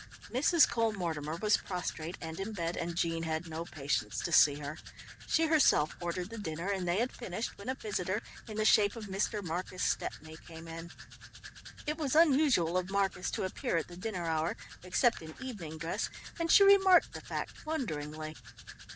Mrs. Cole Mortimer was prostrate and in bed, and Jean had no patience to see her. She herself ordered the dinner, and they had finished when a visitor in the shape of Mr. Marcus Stepney came in. It was unusual of Marcus to appear at the dinner hour, except in evening dress, and she remarked the fact wonderingly.